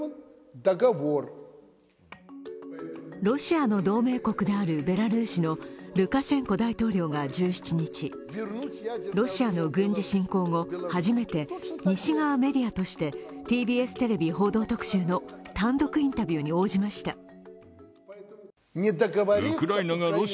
ロシアの同盟国であるベラルーシのルカシェンコ大統領が１７日、ロシアの軍事侵攻後初めて西側メディアとしてＴＢＳテレビ「報道特集」の単独インタビューに応じました。